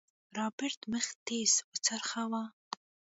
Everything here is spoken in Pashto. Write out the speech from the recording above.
رابرټ مخ تېز وڅرخوه.